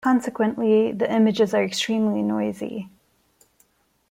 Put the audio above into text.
Consequently, the images are extremely noisy.